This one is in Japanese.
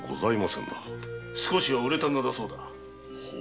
少しは売れた名だそうだ。